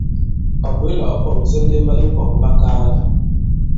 Ɔ̀ bwě la ɔ̃ pɔ̀ŋsɛ indema ì ŋ̀kɔ̀ŋɓakaala.